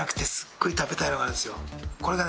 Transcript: これがね